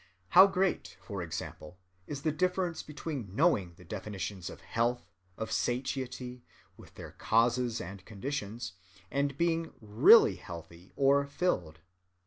How great, for example, is the difference between knowing the definitions of health, of satiety, with their causes and conditions, and being really healthy or filled.